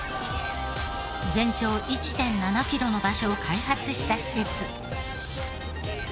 全長１．７キロの場所を開発した施設。